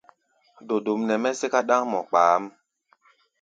Dodom nɛ mɛ́ sɛ́ká ɗáŋmɔ kpaáʼm.